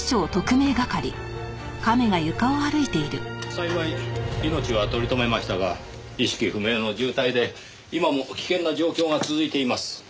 幸い命は取り留めましたが意識不明の重体で今も危険な状況が続いています。